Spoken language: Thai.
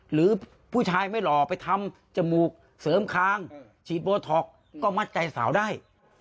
หรือผู้ชายไม่หล่อไปทำจมูกเสริมคางฉีดโบท็อกก็มัดใจสาวได้